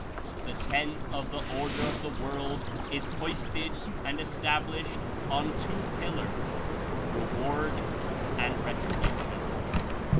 "The tent of the order of the world Is hoisted and established on two pillars — Reward and Retribution."